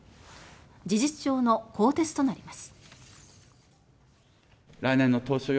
事実上の更迭となります。